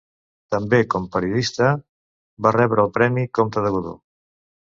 També, com periodista, va rebre el Premi Comte de Godó.